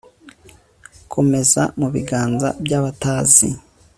Komeza mu biganza byabatazi